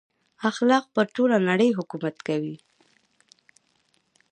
اخلاق پر ټوله نړۍ حکومت کوي.